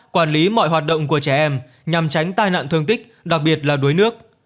quản lý mọi hoạt động của trẻ em nhằm tránh tai nạn thương tích đặc biệt là đuối nước